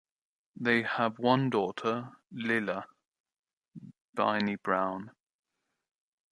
They have one daughter, Lilah Binney Brown.